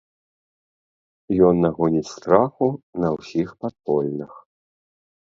Ён нагоніць страху на ўсіх падпольных.